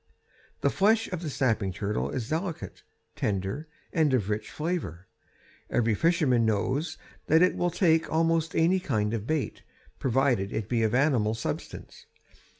The flesh of the snapping turtle is delicate, tender, and of rich flavor. Every fisherman knows that it will take almost any kind of bait, provided it be of animal substance.